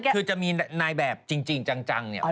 คือจะมีนายแบบจริงจัง